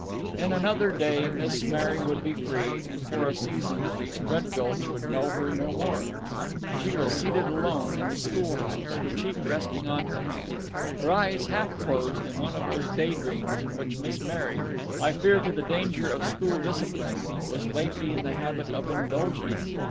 In another day Miss Mary would be free; and for a season, at least, Red Gulch would know her no more. She was seated alone in the schoolhouse, her cheek resting on her hand, her eyes half closed in one of those daydreams in which Miss Mary I fear to the danger of school discipline was lately in the habit of indulging.